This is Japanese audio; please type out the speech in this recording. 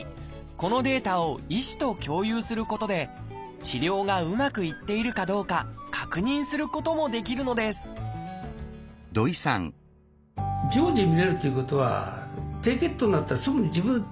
このデータを医師と共有することで治療がうまくいっているかどうか確認することもできるのです土井さん